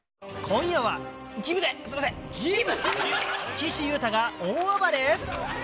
岸優太が大暴れ？